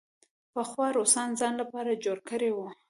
پخوا روسانو د ځان لپاره جوړ کړی وو.